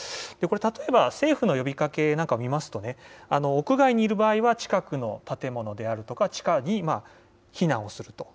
例えば、政府の呼びかけなんかを見ますと、屋外にいる場合は近くの建物であるとか、地下に避難をすると。